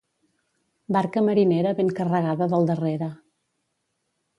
Barca marinera ben carregada del darrere.